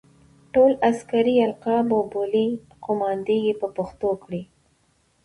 ټول عسکري القاب او بولۍ قوماندې یې په پښتو کړې.